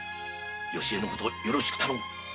良江のことよろしく頼む。